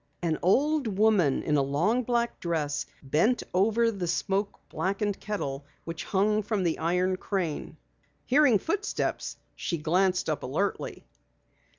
An old woman in a long black dress bent over the smoke blackened kettle which hung from the iron crane. Hearing footsteps, she glanced up alertly.